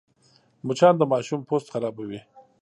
مچان د ماشوم پوست خرابوي